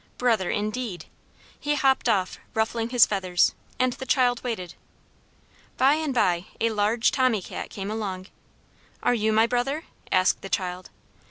Brother, indeed!" He hopped off, ruffling his feathers, and the child waited. By and by a large Tommy Cat came along. "Are you my brother?" asked the child.